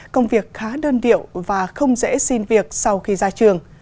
công việc khá đơn điệu và không dễ xin việc sau khi ra trường